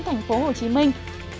thành phố hồ chí minh